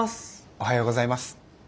おはようございます。